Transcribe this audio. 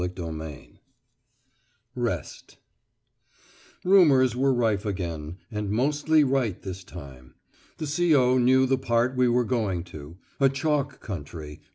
CHAPTER IV REST Rumours were rife again, and mostly right this time. "The C.O. knew the part we were going to: a chalk country